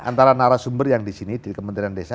antara narasumber yang di sini di kementerian desa